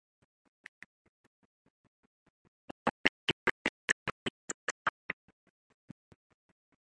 What were the key religions and beliefs at the time?